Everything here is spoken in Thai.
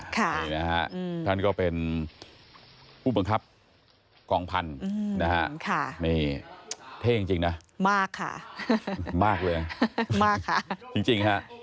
นี่นะฮะท่านก็เป็นผู้บังคับกองพันธุ์นะฮะนี่เท่จริงนะมากค่ะมากเลยมากค่ะจริงฮะ